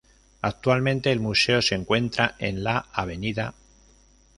Actualmente, el museo se encuentra en la Av.